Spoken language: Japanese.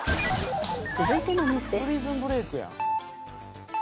続いてのニュースです。